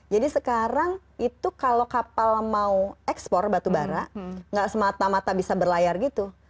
jadi sekarang itu kalau kapal mau ekspor batu bara nggak semata mata bisa berlayar gitu